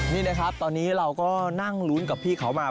นี่นะครับตอนนี้เราก็นั่งลุ้นกับพี่เขามา